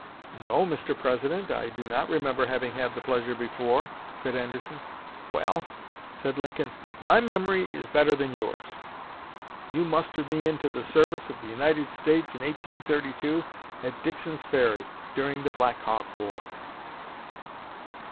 "No, Mr. President, I do not remember having had the pleasure before," said Anderson. "Well," said Lincoln, "my memory is better than yours. You mustered me into the service of the United States in 1832 at Dixon's Ferry, during the Black Hawk War."